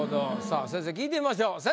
さあ先生に聞いてみましょう。